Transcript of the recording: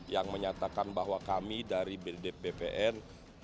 yang menyatakan bahwa kami dari bpn